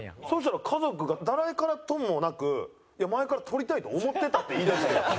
そしたら家族が誰からともなく「いや前から撮りたいと思ってた」って言いだして。